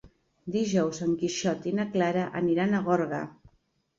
Dijous en Quixot i na Clara aniran a Gorga.